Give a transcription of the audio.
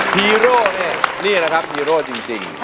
ฮีโร่เนี่ยนี่แหละครับฮีโร่จริง